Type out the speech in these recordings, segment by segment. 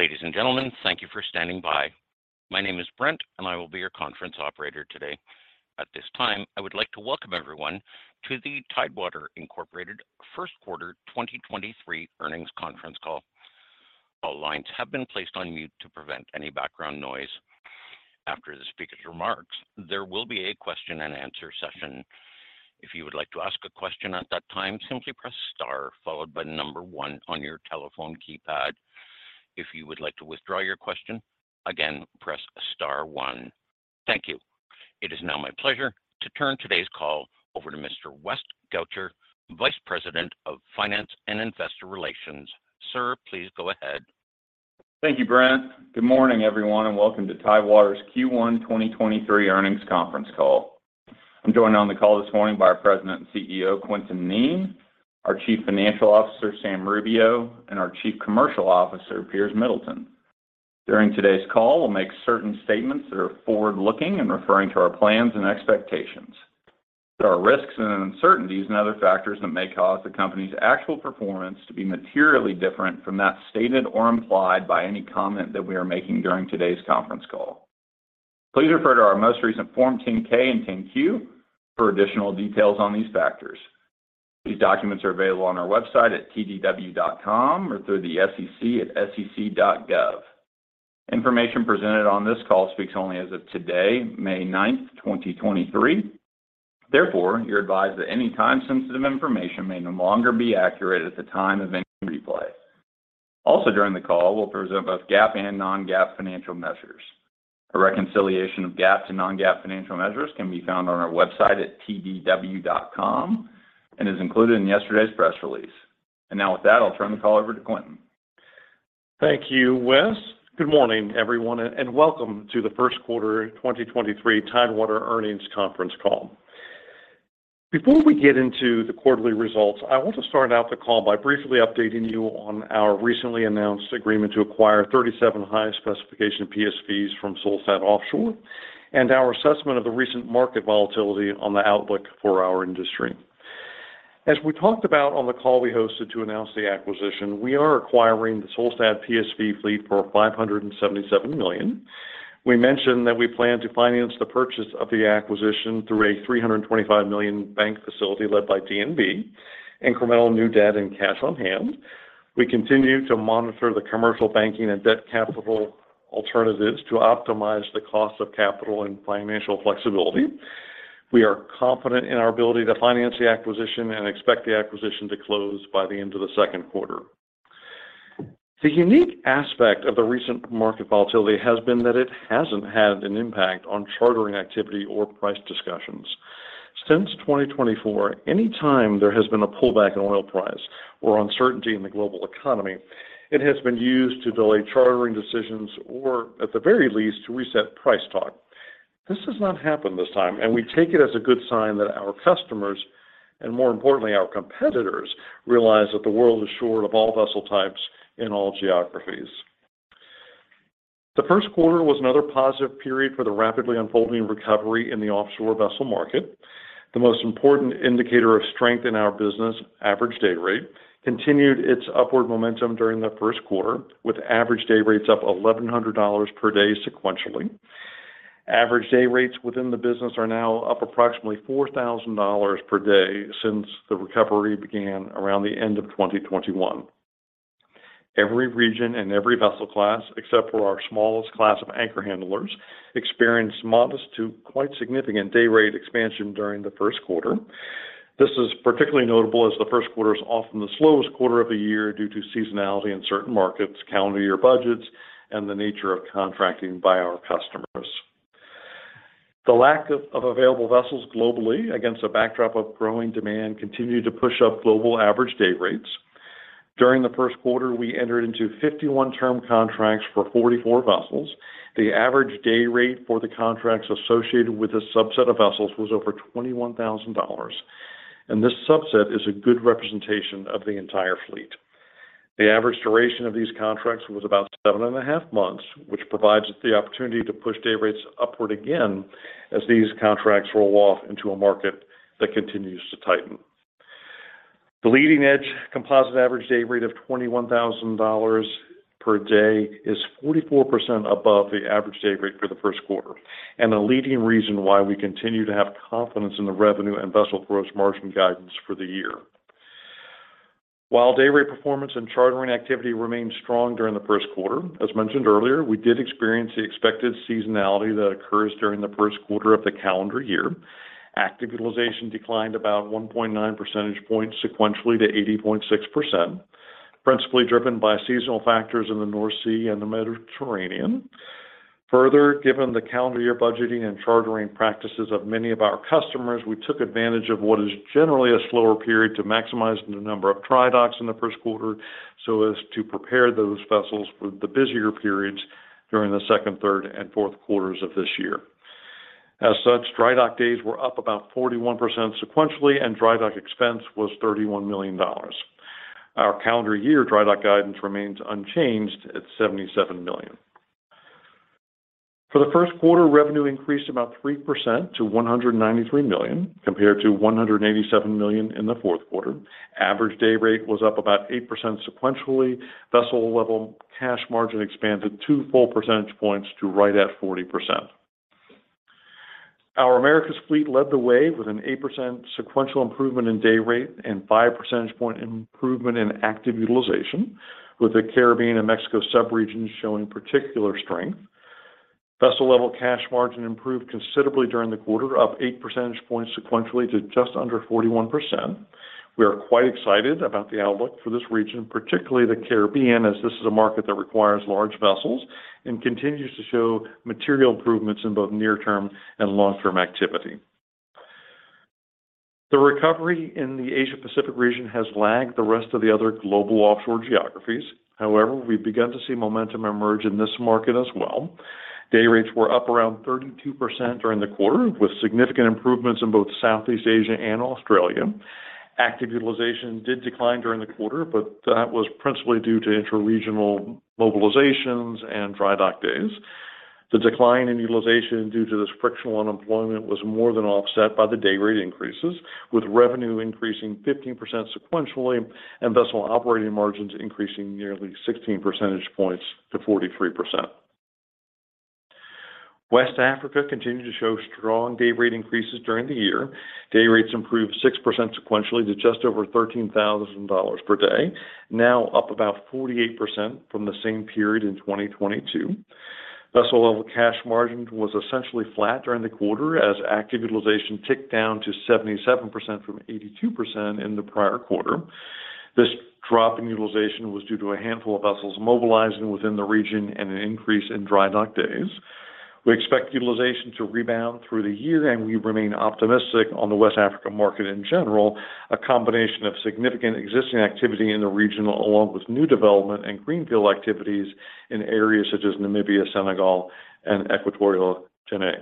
Ladies and gentlemen, thank you for standing by. My name is Brent and I will be your conference operator today. At this time I would like to welcome everyone to the Tidewater Inc. First Quarter 2023 earnings conference call. All lines have been placed on mute to prevent any background noise. After the speaker's remarks, there will be a question and answer session. If you would like to ask a question at that time, simply press star followed by one on your telephone keypad. If you would like to withdraw your question, again, press star one. Thank you. It is now my pleasure to turn today's call over to Mr. West Gotcher, Vice President of Finance and Investor Relations. Sir, please go ahead. Thank you, Brent. Good morning, everyone, and welcome to Tidewater's Q1 2023 earnings conference call. I'm joined on the call this morning by our President and CEO, Quintin Kneen, our Chief Financial Officer, Sam Rubio, and our Chief Commercial Officer, Piers Middleton. During today's call, we'll make certain statements that are forward-looking and referring to our plans and expectations. There are risks and uncertainties and other factors that may cause the company's actual performance to be materially different from that stated or implied by any comment that we are making during today's conference call. Please refer to our most recent Form 10-K and 10-Q for additional details on these factors. These documents are available on our website at tdw.com or through the SEC at sec.gov. Information presented on this call speaks only as of today, May ninth, twenty twenty-three. Therefore, you're advised that any time-sensitive information may no longer be accurate at the time of any replay. Also during the call, we'll present both GAAP and non-GAAP financial measures. A reconciliation of GAAP to non-GAAP financial measures can be found on our website at tdw.com and is included in yesterday's press release. Now with that, I'll turn the call over to Quintin. Thank you, Wes. Good morning everyone, and welcome to the first quarter 2023 Tidewater earnings conference call. Before we get into the quarterly results, I want to start out the call by briefly updating you on our recently announced agreement to acquire 37 highest specification PSVs from Solstad Offshore and our assessment of the recent market volatility on the outlook for our industry. As we talked about on the call we hosted to announce the acquisition, we are acquiring the Solstad PSV fleet for $577 million. We mentioned that we plan to finance the purchase of the acquisition through a $325 million bank facility led by DNB, incremental new debt and cash on hand. We continue to monitor the commercial banking and debt capital alternatives to optimize the cost of capital and financial flexibility. We are confident in our ability to finance the acquisition and expect the acquisition to close by the end of the second quarter. The unique aspect of the recent market volatility has been that it hasn't had an impact on chartering activity or price discussions. Since 2024, any time there has been a pullback in oil price or uncertainty in the global economy, it has been used to delay chartering decisions or at the very least, to reset price talk. This has not happened this time. We take it as a good sign that our customers, and more importantly, our competitors, realize that the world is short of all vessel types in all geographies. The first quarter was another positive period for the rapidly unfolding recovery in the offshore vessel market. The most important indicator of strength in our business, average day rate, continued its upward momentum during the first quarter, with average day rates up $1,100 per day sequentially. Average day rates within the business are now up approximately $4,000 per day since the recovery began around the end of 2021. Every region and every vessel class, except for our smallest class of anchor handlers, experienced modest to quite significant day rate expansion during the first quarter. This is particularly notable as the first quarter is often the slowest quarter of the year due to seasonality in certain markets, calendar year budgets, and the nature of contracting by our customers. The lack of available vessels globally against a backdrop of growing demand continued to push up global average day rates. During the first quarter, we entered into 51 term contracts for 44 vessels. The average day rate for the contracts associated with this subset of vessels was over $21,000 and this subset is a good representation of the entire fleet. The average duration of these contracts was about 7.5 months, which provides us the opportunity to push day rates upward again as these contracts roll off into a market that continues to tighten. The leading-edge composite average day rate of $21,000 per day is 44% above the average day rate for the first quarter, and the leading reason why we continue to have confidence in the revenue and vessel gross margin guidance for the year. While day rate performance and chartering activity remained strong during the first quarter, as mentioned earlier we did experience the expected seasonality that occurs during the first quarter of the calendar year. Active utilization declined about 1.9 percentage points sequentially to 80.6%, principally driven by seasonal factors in the North Sea and the Mediterranean. Given the calendar year budgeting and chartering practices of many of our customers, we took advantage of what is generally a slower period to maximize the number of dry docks in the first quarter so as to prepare those vessels for the busier periods during the second, third, and fourth quarters of this year. Dry dock days were up about 41% sequentially, and dry dock expense was $31 million. Our calendar year dry dock guidance remains unchanged at $77 million. For the first quarter, revenue increased about 3% to $193 million, compared to $187 million in the fourth quarter. Average day rate was up about 8% sequentially. The vessel level cash margin expanded two full percentage points to right at 40%. Our Americas fleet led the way with an 8% sequential improvement in day rate and 5 percentage point improvement in active utilization, with the Caribbean and Mexico sub-regions showing particular strength. vessel level cash margin improved considerably during the quarter, up 8 percentage points sequentially to just under 41%. We are quite excited about the outlook for this region particularly the Caribbean, as this is a market that requires large vessels and continues to show material improvements in both near-term and long-term activity. The recovery in the Asia Pacific region has lagged the rest of the other global offshore geographies. We've begun to see momentum emerge in this market as well. Day rates were up around 32% during the quarter, with significant improvements in both Southeast Asia and Australia. Active utilization did decline during the quarter, that was principally due to interregional mobilizations and dry dock days. The decline in utilization due to this frictional unemployment was more than offset by the day rate increases, with revenue increasing 15% sequentially and vessel operating margins increasing nearly 16 percentage points to 43%. West Africa continued to show strong day rate increases during the year. Day rates improved 6% sequentially to just over $13,000 per day. Up about 48% from the same period in 2022. Vessel level cash margin was essentially flat during the quarter as active utilization ticked down to 77% from 82% in the prior quarter. This drop in utilization was due to a handful of vessels mobilizing within the region and an increase in dry dock days. We expect utilization to rebound through the year, and we remain optimistic on the West Africa market in general. A combination of significant existing activity in the region, along with new development and greenfield activities in areas such as Namibia, Senegal, and Equatorial Guinea.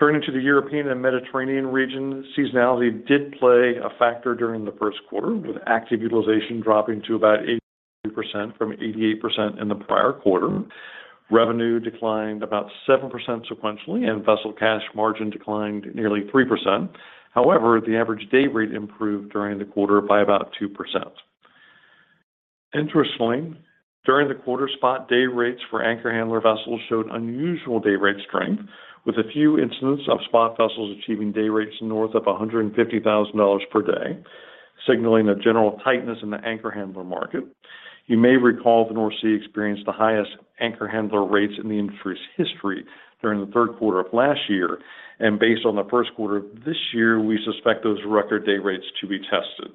Turning to the European and Mediterranean region, seasonality did play a factor during the first quarter, with active utilization dropping to about 82% from 88% in the prior quarter. Revenue declined about 7% sequentially, and vessel cash margin declined nearly 3%. However, the average day rate improved during the quarter by about 2%. Interestingly, during the quarter spot, day rates for anchor handler vessels showed unusual day rate strength with a few incidents of spot vessels achieving day rates north of $150,000 per day, signaling a general tightness in the anchor handler market. You may recall the North Sea experienced the highest anchor handler rates in the industry's history during the third quarter of last year. Based on the first quarter this year, we suspect those record day rates to be tested.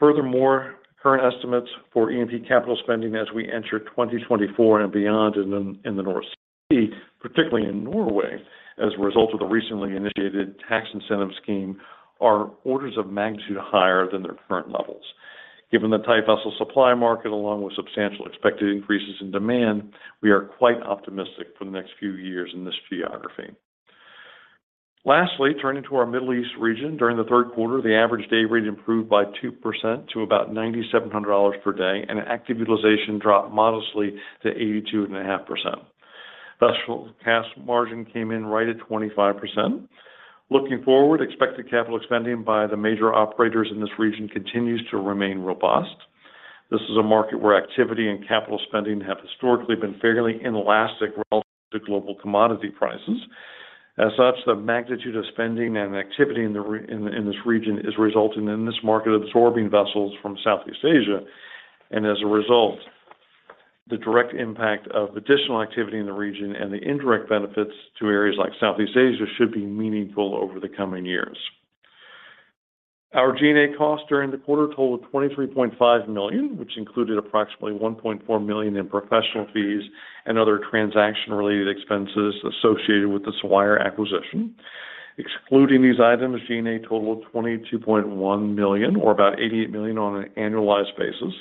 Furthermore, current estimates for E&P capital spending as we enter 2024 and beyond in the North Sea, particularly in Norway, as a result of the recently initiated tax incentive scheme, are orders of magnitude higher than their current levels. Given the tight vessel supply market, along with substantial expected increases in demand, we are quite optimistic for the next few years in this geography. Lastly, turning to our Middle East region. During the third quarter, the average day rate improved by 2% to about $9,700 per day, and active utilization dropped modestly to 82.5%. Vessel cash margin came in right at 25%. Looking forward, expected capital spending by the major operators in this region continues to remain robust. This is a market where activity and capital spending have historically been fairly inelastic relative to global commodity prices. As such, the magnitude of spending and activity in this region is resulting in this market absorbing vessels from Southeast Asia. As a result, the direct impact of additional activity in the region and the indirect benefits to areas like Southeast Asia should be meaningful over the coming years. Our G&A costs during the quarter totaled $23.5 million, which included approximately $1.4 million in professional fees and other transaction-related expenses associated with the Swire acquisition. Excluding these items, G&A totaled $22.1 million, or about $88 million on an annualized basis.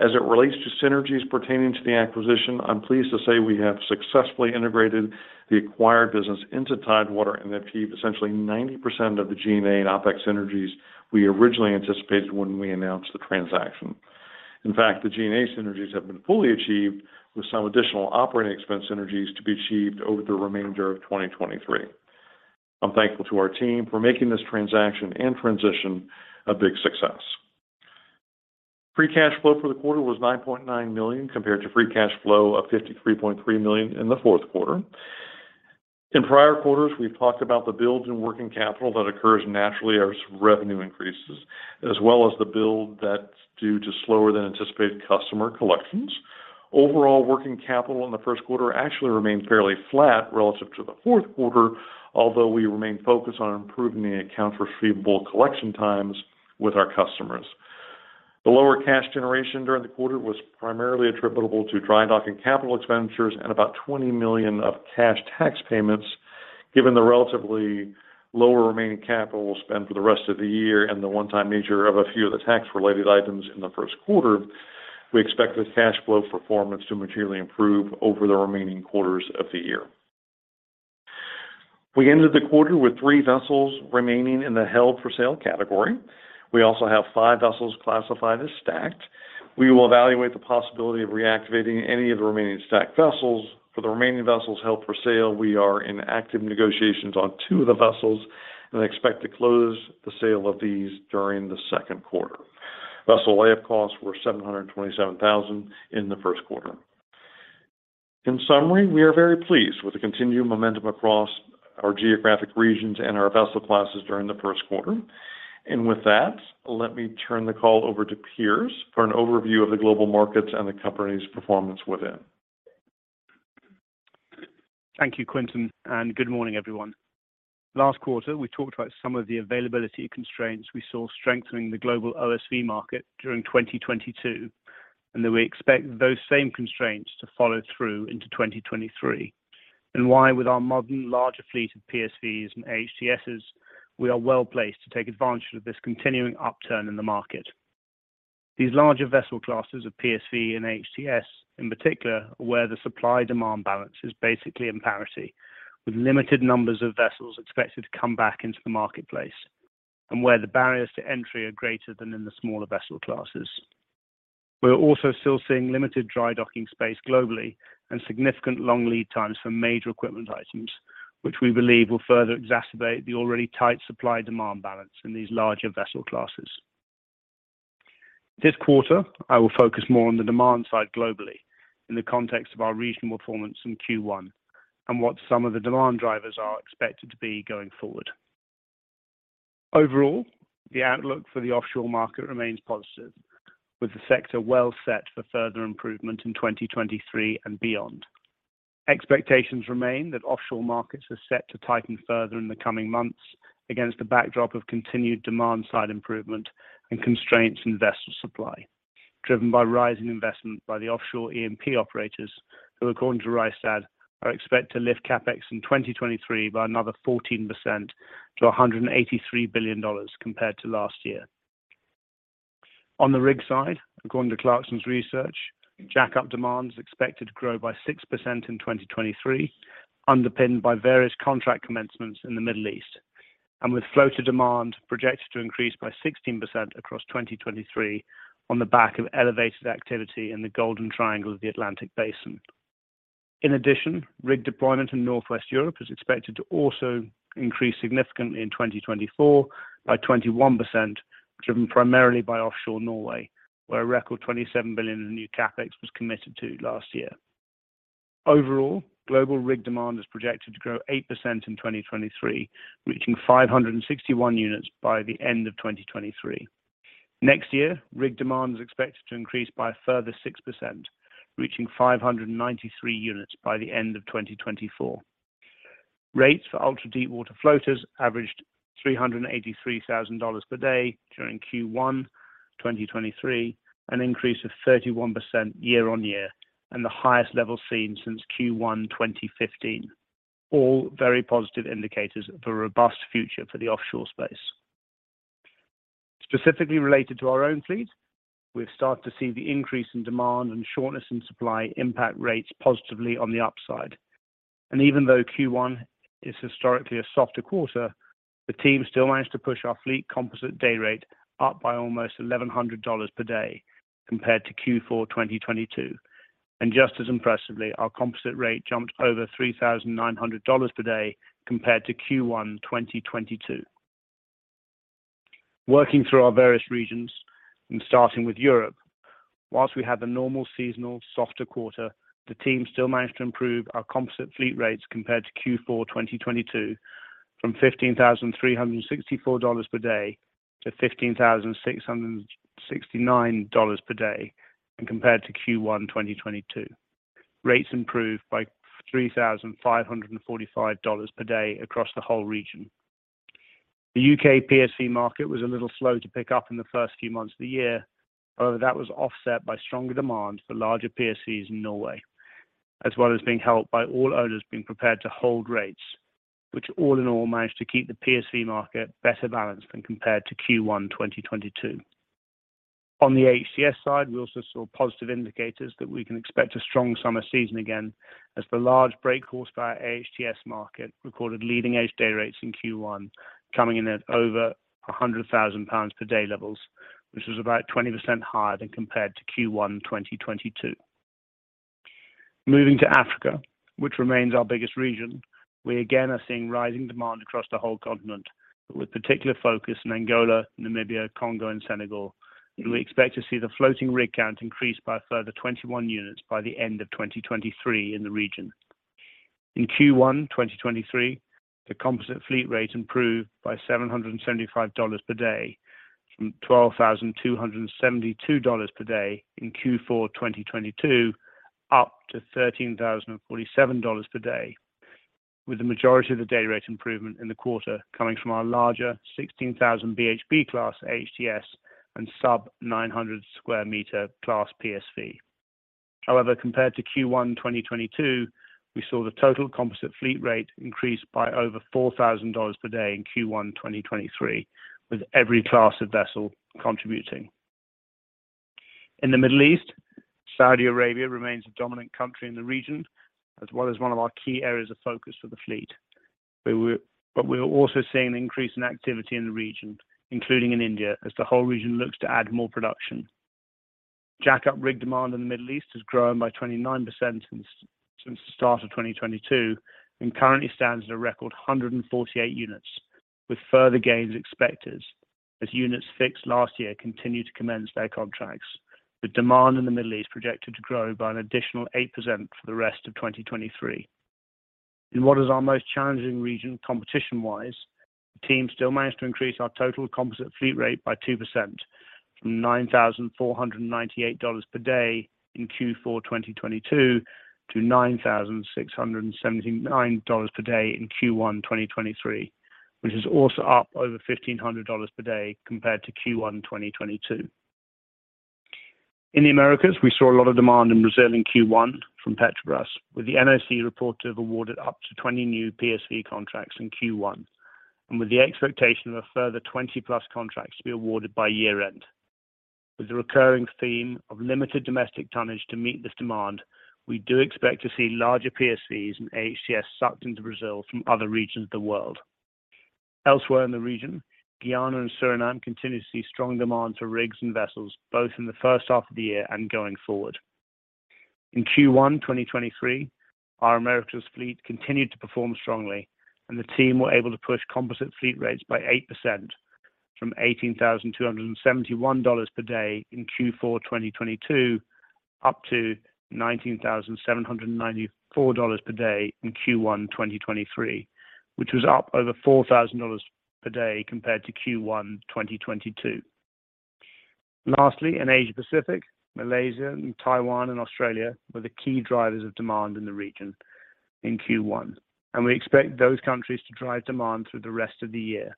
As it relates to synergies pertaining to the acquisition, I'm pleased to say we have successfully integrated the acquired business into Tidewater and achieved essentially 90% of the G&A and OpEx synergies we originally anticipated when we announced the transaction. The G&A synergies have been fully achieved, with some additional operating expense synergies to be achieved over the remainder of 2023. I'm thankful to our team for making this transaction and transition a big success. Free cash flow for the quarter was $9.9 million, compared to free cash flow of $53.3 million in the fourth quarter. In prior quarters, we've talked about the build in working capital that occurs naturally as revenue increases, as well as the build that's due to slower than anticipated customer collections. Overall, working capital in the first quarter actually remained fairly flat relative to the fourth quarter, although we remain focused on improving the accounts receivable collection times with our customers. The lower cash generation during the quarter was primarily attributable to dry docking capital expenditures and about $20 million of cash tax payments. Given the relatively lower remaining capital we'll spend for the rest of the year and the one-time nature of a few of the tax-related items in the first quarter, we expect the cash flow performance to materially improve over the remaining quarters of the year. We ended the quarter with three vessels remaining in the held for sale category. We also have five vessels classified as stacked. We will evaluate the possibility of reactivating any of the remaining stacked vessels. For the remaining vessels held for sale, we are in active negotiations on two of the vessels, and expect to close the sale of these during the second quarter. Vessel lay up costs were $727,000 in the first quarter. In summary, we are very pleased with the continued momentum across our geographic regions and our vessel classes during the first quarter. With that, let me turn the call over to Piers for an overview of the global markets and the company's performance within. Thank you, Quintin and good morning, everyone. Last quarter, we talked about some of the availability constraints we saw strengthening the global OSV market during 2022, and that we expect those same constraints to follow through into 2023. Why with our modern larger fleet of PSVs and AHTSs, we are well-placed to take advantage of this continuing upturn in the market. These larger vessel classes of PSV and AHTS, in particular, where the supply-demand balance is basically in parity with limited numbers of vessels expected to come back into the marketplace, and where the barriers to entry are greater than in the smaller vessel classes. We're also still seeing limited dry docking space globally and significant long lead times for major equipment items, which we believe will further exacerbate the already tight supply-demand balance in these larger vessel classes. This quarter, I will focus more on the demand side globally in the context of our regional performance in Q1, and what some of the demand drivers are expected to be going forward. Overall, the outlook for the offshore market remains positive, with the sector well set for further improvement in 2023 and beyond. Expectations remain that offshore markets are set to tighten further in the coming months against the backdrop of continued demand side improvement and constraints in vessel supply, driven by rising investment by the offshore E&P operators, who according to Rystad, are expected to lift CapEx in 2023 by another 14% to $183 billion compared to last year. On the rig side, according to Clarksons Research, jackup demand is expected to grow by 6% in 2023, underpinned by various contract commencements in the Middle East, with floater demand projected to increase by 16% across 2023 on the back of elevated activity in the Golden Triangle of the Atlantic Basin. In addition, rig deployment in Northwest Europe is expected to also increase significantly in 2024 by 21%, driven primarily by offshore Norway, where a record $27 billion in new CapEx was committed to last year. Overall, global rig demand is projected to grow 8% in 2023, reaching 561 units by the end of 2023. Next year, rig demand is expected to increase by a further 6%, reaching 593 units by the end of 2024. Rates for ultra-deepwater floaters averaged $383,000 per day during Q1 2023, an increase of 31% year-over-year, and the highest level seen since Q1 2015. All very positive indicators of a robust future for the offshore space. Specifically related to our own fleet, we've started to see the increase in demand and shortness in supply impact rates positively on the upside. Even though Q1 is historically a softer quarter, the team still managed to push our fleet composite day rate up by almost $1,100 per day compared to Q4 2022. Just as impressively, our composite rate jumped over $3,900 per day compared to Q1 2022. Working through our various regions and starting with Europe, whilst we have a normal seasonal softer quarter, the team still managed to improve our composite fleet rates compared to Q4 2022 from $15,364 per day to $15,669 per day, and compared to Q1 2022. Rates improved by $3,545 per day across the whole region. The UK PSV market was a little slow to pick up in the first few months of the year. That was offset by stronger demand for larger PSVs in Norway, as well as being helped by all owners being prepared to hold rates, which all in all managed to keep the PSV market better balanced than compared to Q1 2022. On the AHTS side, we also saw positive indicators that we can expect a strong summer season again as the large brake horsepower AHTS market recorded leading-edge day rates in Q1 coming in at over 100,000 pounds per day levels, which was about 20% higher than compared to Q1 2022. Moving to Africa, which remains our biggest region, we again are seeing rising demand across the whole continent, with particular focus in Angola, Namibia, Congo and Senegal. We expect to see the floating rig count increase by a further 21 units by the end of 2023 in the region. In Q1 2023, the composite fleet rate improved by $775 per day from $12,272 per day in Q4 2022 up to $13,047 per day, with the majority of the day rate improvement in the quarter coming from our larger 16,000 BHP class AHTS and sub-900 square meter class PSV. However, compared to Q1 2022, we saw the total composite fleet rate increase by over $4,000 per day in Q1 2023, with every class of vessel contributing. In the Middle East, Saudi Arabia remains a dominant country in the region, as well as one of our key areas of focus for the fleet. We were also seeing an increase in activity in the region, including in India, as the whole region looks to add more production. Jackup rig demand in the Middle East has grown by 29% since the start of 2022 and currently stands at a record 148 units with further gains expected as units fixed last year continue to commence their contracts, with demand in the Middle East projected to grow by an additional 8% for the rest of 2023. In what is our most challenging region competition-wise, the team still managed to increase our total composite fleet rate by 2% from $9,498 per day in Q4 2022 to $9,679 per day in Q1 2023, which is also up over $1,500 per day compared to Q1 2022. In the Americas, we saw a lot of demand in Brazil in Q1 from Petrobras, with the NOC reported to have awarded up to 20 new PSV contracts in Q1 and with the expectation of a further 20-plus contracts to be awarded by year-end. With the recurring theme of limited domestic tonnage to meet this demand, we do expect to see larger PSVs and HCS sucked into Brazil from other regions of the world. Elsewhere in the region, Guyana and Suriname continue to see strong demand for rigs and vessels both in the first half of the year and going forward. In Q1 2023, our Americas fleet continued to perform strongly, and the team were able to push composite fleet rates by 8% from $18,271 per day in Q4 2022 up to $19,794 per day in Q1 2023, which was up over $4,000 per day compared to Q1 2022. Lastly, in Asia Pacific, Malaysia and Taiwan and Australia were the key drivers of demand in the region in Q1, and we expect those countries to drive demand through the rest of the year.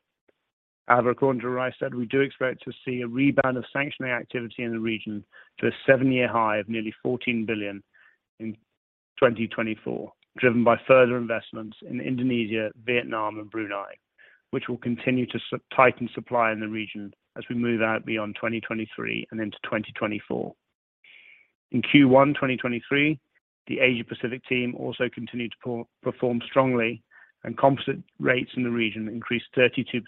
According to Rystad, we do expect to see a rebound of sanctioning activity in the region to a seven-year high of nearly $14 billion in 2024, driven by further investments in Indonesia, Vietnam and Brunei, which will continue to tighten supply in the region as we move out beyond 2023 and into 2024. In Q1 2023, the Asia Pacific team also continued to perform strongly, composite rates in the region increased 32%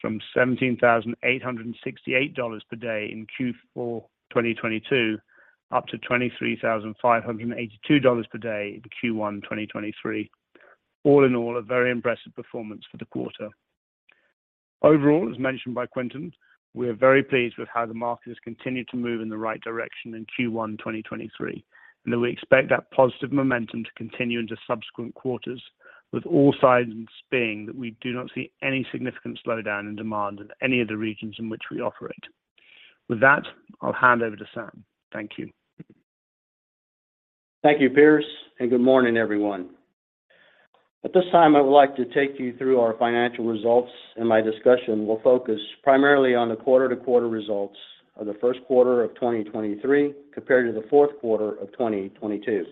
from $17,868 per day in Q4 2022 up to $23,582 per day in Q1 2023. All in all, a very impressive performance for the quarter. Overall, as mentioned by Quintin we are very pleased with how the market has continued to move in the right direction in Q1 2023, and that we expect that positive momentum to continue into subsequent quarters, with all signs being that we do not see any significant slowdown in demand in any of the regions in which we operate. With that, I'll hand over to Sam. Thank you. Thank you, Piers and good morning, everyone. At this time, I would like to take you through our financial results. My discussion will focus primarily on the quarter-over-quarter results of the first quarter of 2023 compared to the fourth quarter of 2022.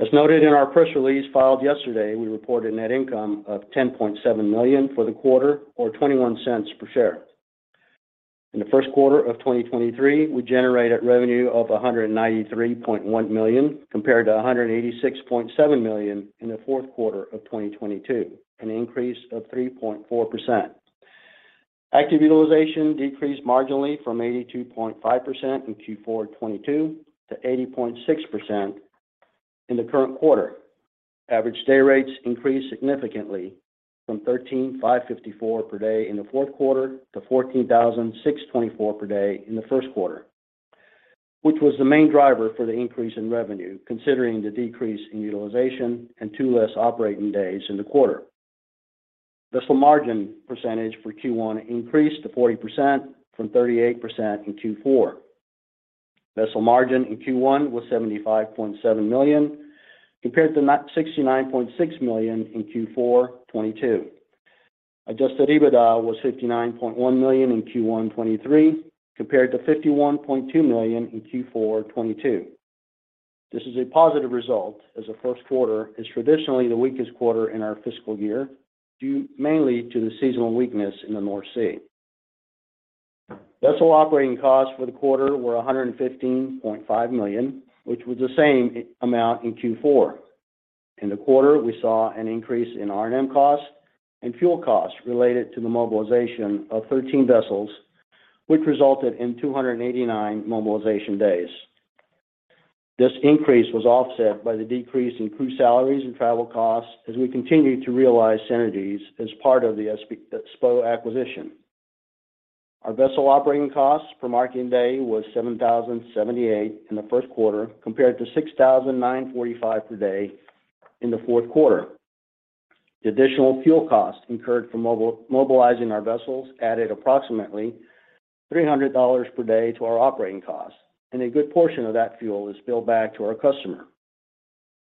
As noted in our press release filed yesterday, we reported net income of $10.7 million for the quarter or $0.21 per share. In the first quarter of 2023, we generated revenue of $193.1 million compared to $186.7 million in the fourth quarter of 2022, an increase of 3.4%. active utilization decreased marginally from 82.5% in Q4 2022 to 80.6% in the current quarter. Average day rates increased significantly from $13,554 per day in the fourth quarter to $14,624 per day in the first quarter, which was the main driver for the increase in revenue, considering the decrease in utilization and two less operating days in the quarter. Vessel margin percentage for Q1 increased to 40% from 38% in Q4. Vessel margin in Q1 was $75.7 million compared to $69.6 million in Q4 2022. Adjusted EBITDA was $59.1 million in Q1 2023 compared to $51.2 million in Q4 2022. This is a positive result as the first quarter is traditionally the weakest quarter in our fiscal year, due mainly to the seasonal weakness in the North Sea. Vessel operating costs for the quarter were $115.5 million, which was the same amount in Q4. In the quarter, we saw an increase in R&M costs and fuel costs related to the mobilization of 13 vessels, which resulted in 289 mobilization days. This increase was offset by the decrease in crew salaries and travel costs as we continued to realize synergies as part of the SPO acquisition. Our vessel operating costs per marketing day was 7,078 in the first quarter compared to 6,945 per day in the fourth quarter. The additional fuel costs incurred for mobilizing our vessels added approximately $300 per day to our operating costs. A good portion of that fuel is billed back to our customer.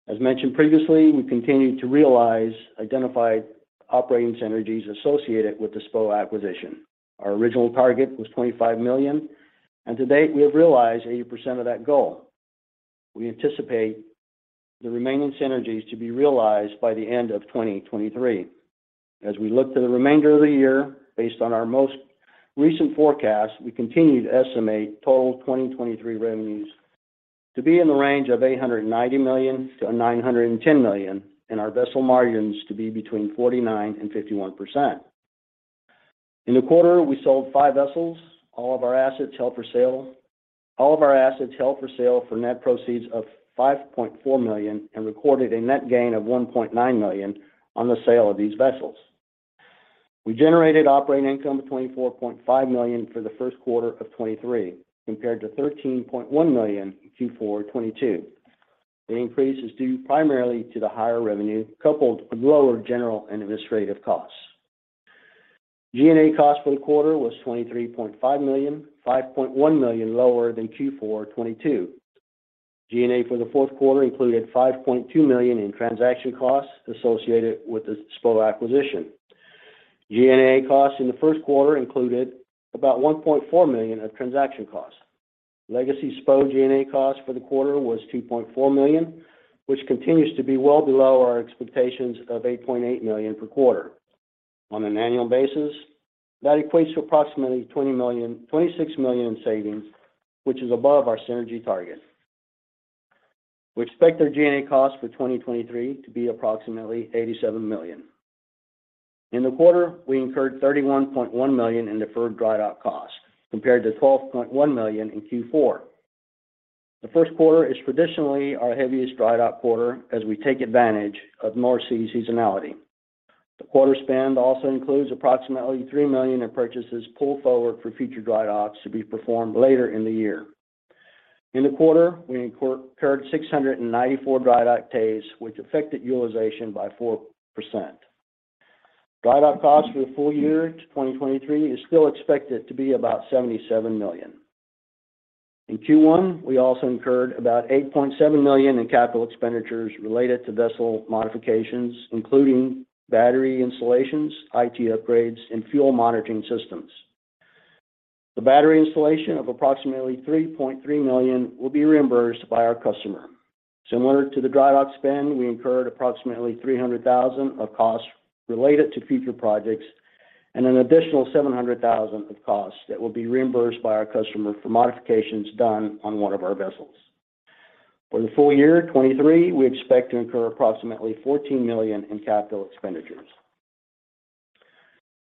As mentioned previously, we continued to realize identified operating synergies associated with the SPO acquisition. Our original target was $25 million, and to date, we have realized 80% of that goal. We anticipate the remaining synergies to be realized by the end of 2023. As we look to the remainder of the year, based on our most recent forecast, we continue to estimate total 2023 revenues to be in the range of $890 million-$910 million, and our vessel margins to be between 49% and 51%. In the quarter, we sold five vessels. All of our assets held for sale for net proceeds of $5.4 million and recorded a net gain of $1.9 million on the sale of these vessels. We generated operating income of $24.5 million for the first quarter of 2023, compared to $13.1 million in Q4 2022. The increase is due primarily to the higher revenue, coupled with lower general and administrative costs. G&A costs for the quarter was $23.5 million, $5.1 million lower than Q4 2022. G&A for the fourth quarter included $5.2 million in transaction costs associated with the SPO acquisition. G&A costs in the first quarter included about $1.4 million of transaction costs. Legacy SPO G&A cost for the quarter was $2.4 million, which continues to be well below our expectations of $8.8 million per quarter. On an annual basis, that equates to approximately $26 million in savings, which is above our synergy target. We expect our G&A costs for 2023 to be approximately $87 million. In the quarter, we incurred $31.1 million in deferred dry dock costs, compared to $12.1 million in Q4. The first quarter is traditionally our heaviest dry dock quarter as we take advantage of North Sea seasonality. The quarter spend also includes approximately $3 million in purchases pulled forward for future dry docks to be performed later in the year. In the quarter, we incurred 694 dry dock days, which affected utilization by 4%. Dry dock costs for the full year 2023 is still expected to be about $77 million. In Q1, we also incurred about $8.7 million in capital expenditures related to vessel modifications, including battery installations, IT upgrades and fuel monitoring systems. The battery installation of approximately $3.3 million will be reimbursed by our customer. Similar to the dry dock spend, we incurred approximately $300,000 of costs related to future projects and an additional $700,000 of costs that will be reimbursed by our customer for modifications done on one of our vessels. For the full year 2023, we expect to incur approximately $14 million in capital expenditures.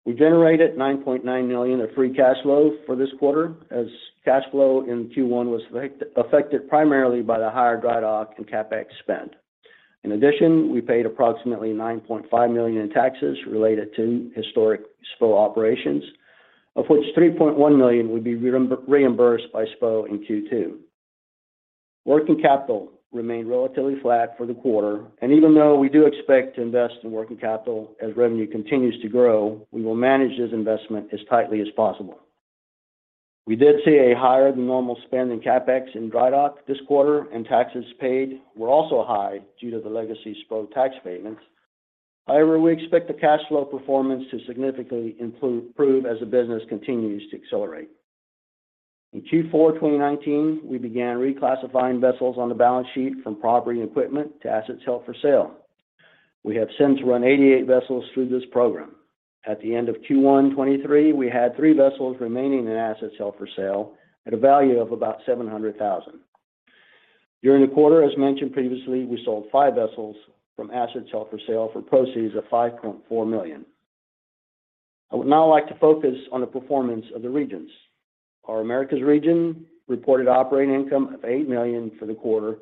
We generated $9.9 million of free cash flow for this quarter as cash flow in Q1 was affected primarily by the higher dry dock and CapEx spend. In addition, we paid approximately $9.5 million in taxes related to historic SPO operations, of which $3.1 million will be reimbursed by SPO in Q2. Working capital remained relatively flat for the quarter, even though we do expect to invest in working capital as revenue continues to grow, we will manage this investment as tightly as possible. We did see a higher than normal spend in CapEx in dry dock this quarter, taxes paid were also high due to the legacy SPO tax payments. However, we expect the cash flow performance to significantly improve as the business continues to accelerate. In Q4 2019, we began reclassifying vessels on the balance sheet from property and equipment to assets held for sale. We have since run 88 vessels through this program. At the end of Q1 2023, we had three vessels remaining in assets held for sale at a value of about $700,000. During the quarter, as mentioned previously, we sold 5 vessels from assets held for sale for proceeds of $5.4 million. I would now like to focus on the performance of the regions. Our Americas region reported operating income of $8 million for the quarter,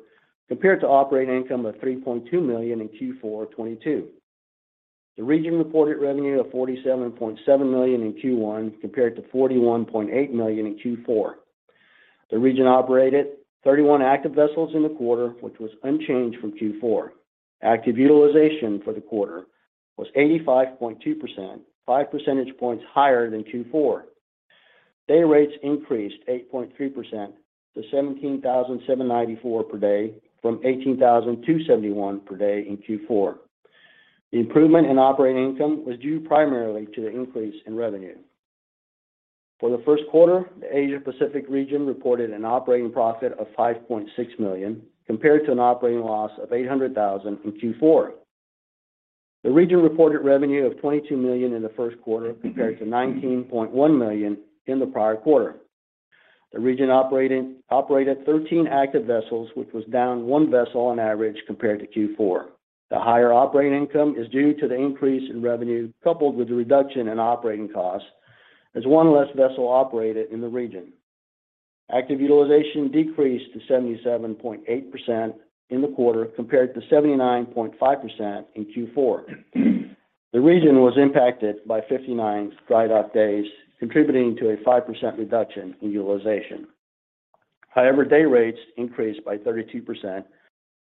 compared to operating income of $3.2 million in Q4 2022. The region reported revenue of $47.7 million in Q1, compared to $41.8 million in Q4. The region operated 31 active vessels in the quarter, which was unchanged from Q4. Active utilization for the quarter was 85.2%, 5 percentage points higher than Q4. Day rates increased 8.3% to $17,794 per day from $18,271 per day in Q4. The improvement in operating income was due primarily to the increase in revenue. For the first quarter, the Asia Pacific region reported an operating profit of $5.6 million, compared to an operating loss of $800,000 in Q4. The region reported revenue of $22 million in the first quarter compared to $19.1 million in the prior quarter. The region operated 13 active vessels, which was down one vessel on average compared to Q4. The higher operating income is due to the increase in revenue, coupled with the reduction in operating costs as one less vessel operated in the region. Active utilization decreased to 77.8% in the quarter, compared to 79.5% in Q4. The region was impacted by 59 dry dock days, contributing to a 5% reduction in utilization. Day rates increased by 32%,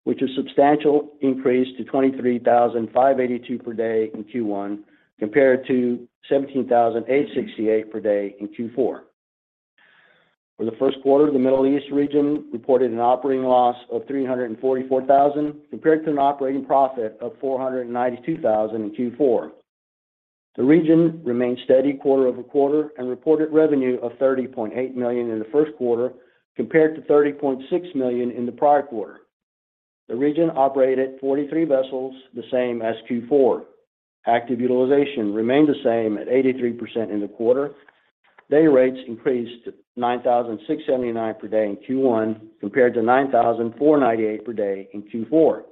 which is substantial increase to $23,582 per day in Q1, compared to $17,868 per day in Q4. For the first quarter, the Middle East region reported an operating loss of $344,000, compared to an operating profit of $492,000 in Q4. The region remained steady quarter-over-quarter and reported revenue of $30.8 million in the first quarter compared to $30.6 million in the prior quarter. The region operated 43 vessels, the same as Q4. Active utilization remained the same at 83% in the quarter. Day rates increased to $9,679 per day in Q1 compared to $9,498 per day in Q4.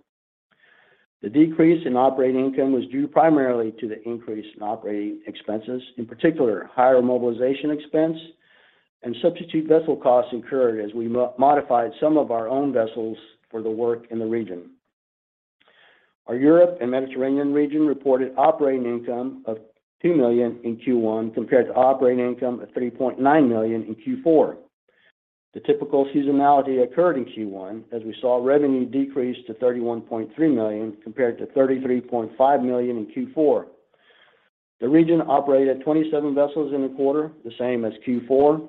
The decrease in operating income was due primarily to the increase in operating expenses, in particular higher mobilization expense and substitute vessel costs incurred as we modified some of our own vessels for the work in the region. Our Europe and Mediterranean region reported operating income of $2 million in Q1 compared to operating income of $3.9 million in Q4. The typical seasonality occurred in Q1 as we saw revenue decrease to $31.3 million compared to $33.5 million in Q4. The region operated 27 vessels in the quarter, the same as Q4.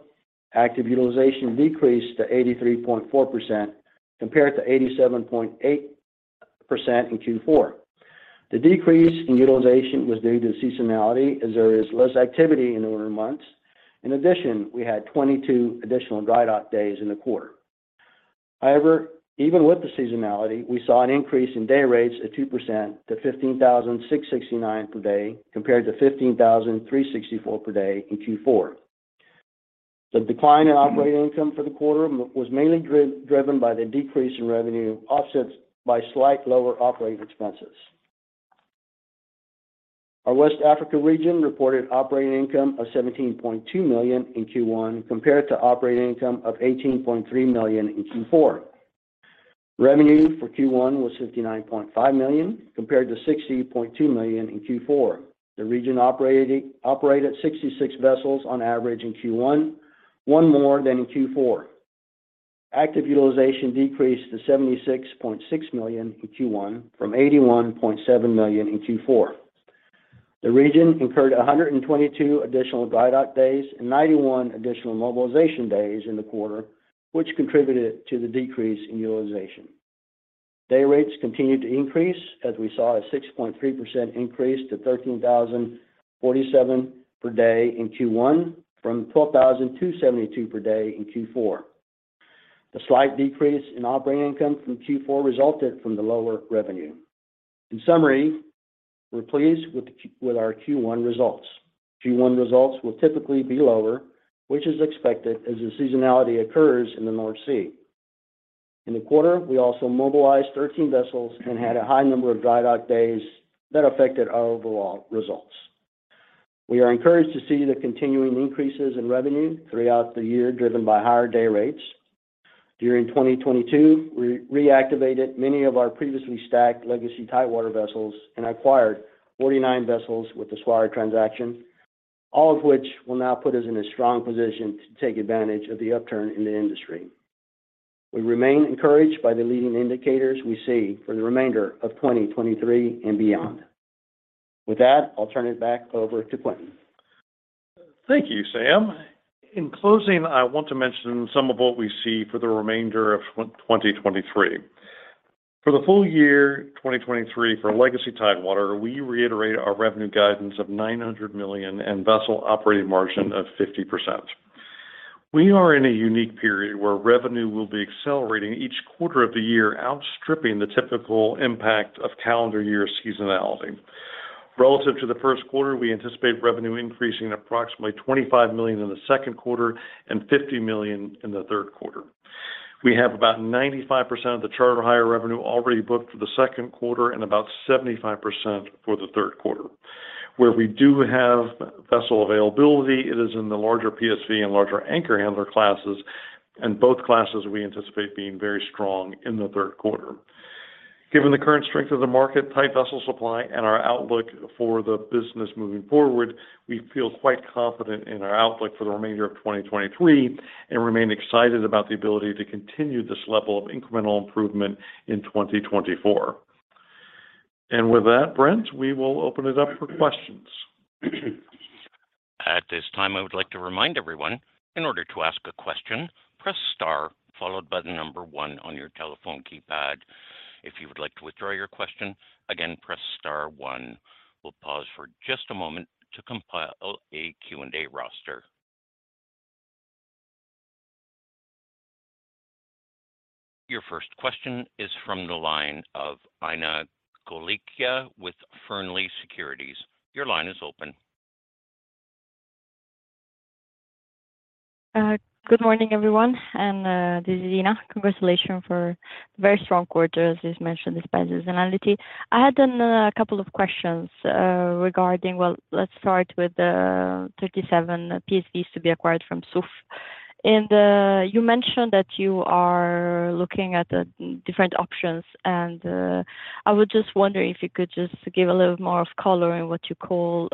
Active utilization decreased to 83.4% compared to 87.8% in Q4. The decrease in utilization was due to seasonality as there is less activity in the winter months. We had 22 additional dry dock days in the quarter. Even with the seasonality, we saw an increase in day rates of 2% to $15,669 per day compared to $15,364 per day in Q4. The decline in operating income for the quarter was mainly driven by the decrease in revenue, offset by slight lower operating expenses. Our West Africa region reported operating income of $17.2 million in Q1 compared to operating income of $18.3 million in Q4. Revenue for Q1 was $59.5 million compared to $60.2 million in Q4. The region operated 66 vessels on average in Q1, one more than in Q4. Active utilization decreased to 76.6 million in Q1 from 81.7 million in Q4. The region incurred 122 additional dry dock days and 91 additional mobilization days in the quarter, which contributed to the decrease in utilization. Day rates continued to increase as we saw a 6.3% increase to $13,047 per day in Q1 from $12,272 per day in Q4. The slight decrease in operating income from Q4 resulted from the lower revenue. In summary, we're pleased with our Q1 results. Q1 results will typically be lower, which is expected as the seasonality occurs in the North Sea. In the quarter, we also mobilized 13 vessels and had a high number of dry dock days that affected our overall results. We are encouraged to see the continuing increases in revenue throughout the year driven by higher day rates. During 2022, we reactivated many of our previously stacked legacy Tidewater vessels and acquired 49 vessels with the Swire transaction, all of which will now put us in a strong position to take advantage of the upturn in the industry. We remain encouraged by the leading indicators we see for the remainder of 2023 and beyond. With that, I'll turn it back over to Quintin. Thank you, Sam. In closing, I want to mention some of what we see for the remainder of 2023. For the full year 2023 for legacy Tidewater, we reiterate our revenue guidance of $900 million and vessel operating margin of 50%. We are in a unique period where revenue will be accelerating each quarter of the year, outstripping the typical impact of calendar year seasonality. Relative to the first quarter, we anticipate revenue increasing approximately $25 million in the second quarter and $50 million in the third quarter. We have about 95% of the charter hire revenue already booked for the second quarter and about 75% for the third quarter. Where we do have vessel availability, it is in the larger PSV and larger anchor handler classes, and both classes we anticipate being very strong in the third quarter. Given the current strength of the market, tight vessel supply, and our outlook for the business moving forward, we feel quite confident in our outlook for the remainder of 2023 and remain excited about the ability to continue this level of incremental improvement in 2024. With that, Brent, we will open it up for questions. At this time, I would like to remind everyone in order to ask a question, press star followed by the number one on your telephone keypad. If you would like to withdraw your question, again, press star one. We'll pause for just a moment to compile a Q&A roster. Your first question is from the line of Ina Golikja with Fearnley Securities. Your line is open. Good morning, everyone and this is Ina. Congratulations for very strong quarter, as is mentioned, despite seasonality. I had a couple of questions regarding - well, let's start with the 37 PSVs to be acquired from SOFF. You mentioned that you are looking at different options. I was just wondering if you could just give a little more of color in what you call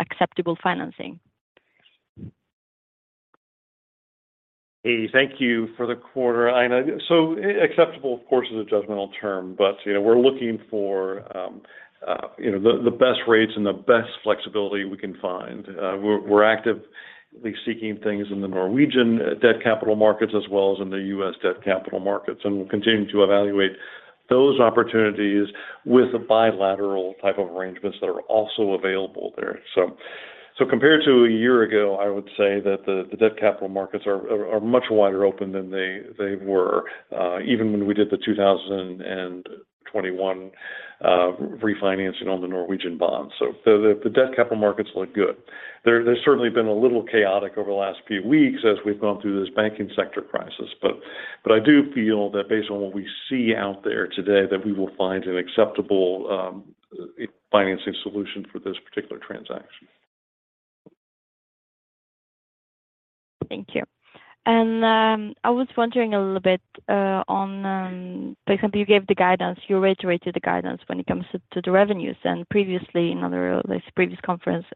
acceptable financing. Hey, thank you for the quarter, Ina. Acceptable, of course, is a judgmental term, but, you know, we're looking for, you know, the best rates and the best flexibility we can find. We're active. We're seeking things in the Norwegian debt capital markets as well as in the U.S. debt capital markets, and we're continuing to evaluate those opportunities with the bilateral type of arrangements that are also available there. Compared to a year ago, I would say that the debt capital markets are much wider open than they were even when we did the 2021 refinancing on the Norwegian bonds. The debt capital markets look good. They're certainly been a little chaotic over the last few weeks as we've gone through this banking sector crisis. I do feel that based on what we see out there today, that we will find an acceptable, financing solution for this particular transaction. Thank you. I was wondering a little bit on, for example, you gave the guidance, you reiterated the guidance when it comes to the revenues. Previously, this previous conference,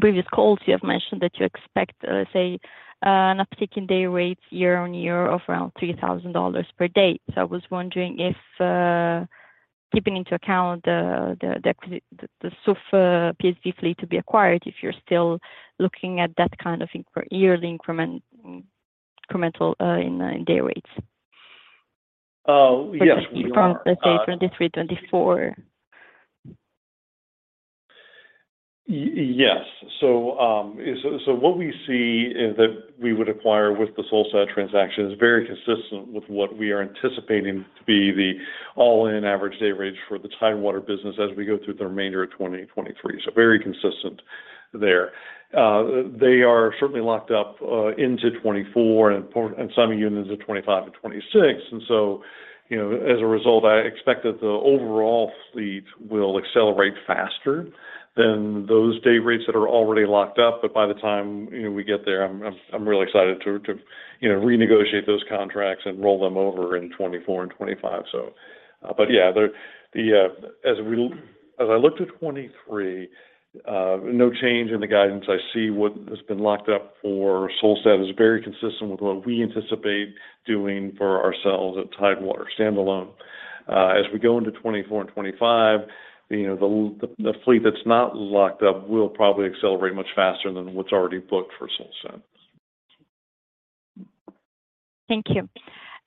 previous calls, you have mentioned that you expect, let's say, an uptick in day rates year-on-year of around $3,000 per day. I was wondering if, keeping into account the Solstad PSV fleet to be acquired, if you're still looking at that kind of yearly increment, incremental, in day rates? Yes, we are. From let's say, 2023, 2024. Yes. What we see is that we would acquire with the Solstad transaction is very consistent with what we are anticipating to be the all-in average day rate for the Tidewater business as we go through the remainder of 2023. Very consistent there. They are certainly locked up into 2024 and some units of 2025 and 2026. As a result, you know, I expect that the overall fleet will accelerate faster than those day rates that are already locked up. By the time, you know, we get there, I'm really excited to, you know, renegotiate those contracts and roll them over in 2024 and 2025. Yeah, the, as I looked at 2023, no change in the guidance. I see what has been locked up for Solstad is very consistent with what we anticipate doing for ourselves at Tidewater standalone. As we go into 2024 and 2025, you know, the fleet that's not locked up will probably accelerate much faster than what's already booked for Solstad. Thank you.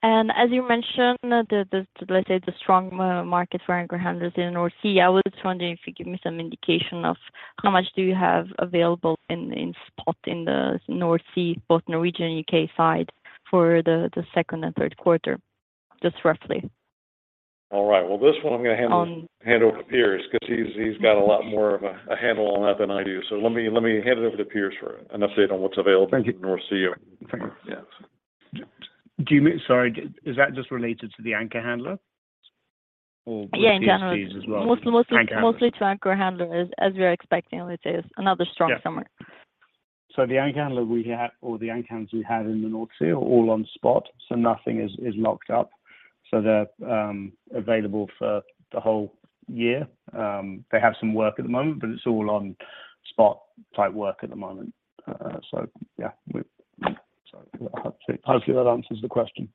As you mentioned, the, let's say, the strong markets for anchor handlers in North Sea, I was just wondering if you could give me some indication of how much do you have available in spot in the North Sea, both Norwegian and UK side, for the second and third quarter, just roughly? All right. Well, this one I'm gonna hand over. Hand over to Piers because he's got a lot more of a handle on that than I do. Let me hand it over to Piers for an update on what's available in North Sea. Yeah. Do you mean? Sorry, is that just related to the anchor handler or... Yeah, in general. PSVs as well? Mostly to anchor handlers, as we are expecting, let's say, is another strong summer. Yeah. The anchor handler we have or the anchor handlers we have in the North Sea are all on spot, so nothing is locked up. They're available for the whole year. They have some work at the moment, but it's all on spot type work at the moment. Yeah. Hopefully that answers the question.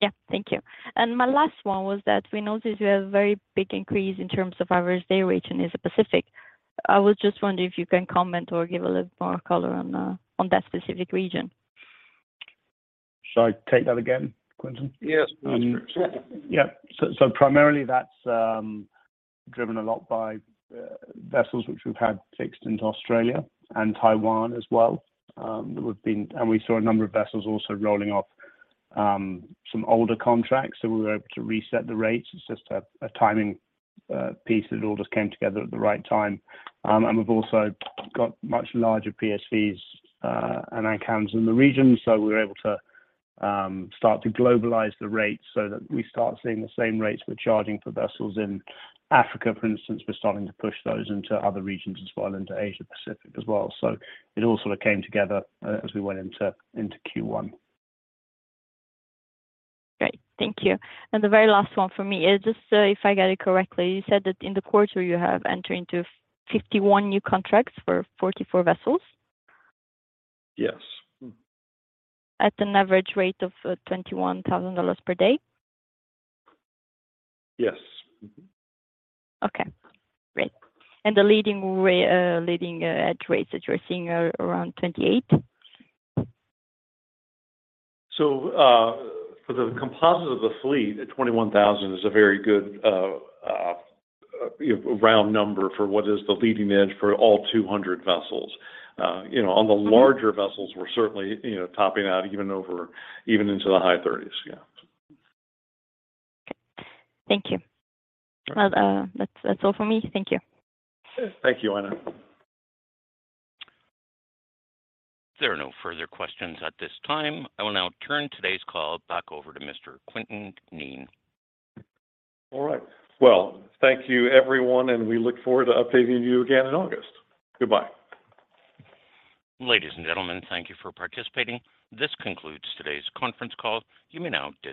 Yeah. Thank you. My last one was that we noticed you have a very big increase in terms of average day rate in Asia-Pacific. I was just wondering if you can comment or give a little more color on that specific region. Should I take that again, Quintin? Yes. Yeah. Primarily that's driven a lot by vessels which we've had fixed into Australia and Taiwan as well. We saw a number of vessels also rolling off some older contracts, so we were able to reset the rates. It's just a timing piece that all just came together at the right time. We've also got much larger PSVs and AHTSs in the region, so we're able to start to globalize the rates so that we start seeing the same rates we're charging for vessels in Africa, for instance. We're starting to push those into other regions as well, into Asia-Pacific as well. It all sort of came together as we went into Q1. Great. Thank you. The very last one for me is just, if I got it correctly, you said that in the quarter, you have entered into 51 new contracts for 44 vessels? Yes. At an average rate of $21,000 per day. Yes. Okay. Great. The leading edge rates that you're seeing are around $28. For the composite of the fleet, at $21,000 is a very good, you know, round number for what is the leading edge for all 200 vessels. You know, on the larger vessels, we're certainly, you know, topping out even over, even into the high thirties. Yeah. Okay. Thank you. Sure. Well, that's all for me. Thank you. Thank you Ina. There are no further questions at this time. I will now turn today's call back over to Mr. Quintin Kneen. All right. Well thank you, everyone, and we look forward to updating you again in August. Goodbye. Ladies and gentlemen, thank you for participating. This concludes today's conference call. You may now disconnect.